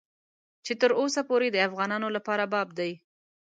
چې تر اوسه پورې د افغانانو لپاره باب دی.